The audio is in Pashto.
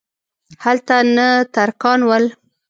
هلته نه ترکان ول.